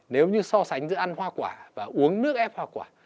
nếu như so sánh giữa ăn hoa quả và uống nước ép hoa quả